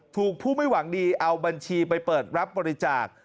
ถูกผู้ไม่หวังดีเอาบัญชีไปเปิดรับบริจาค